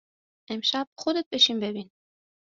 امشب خودت بشین ببین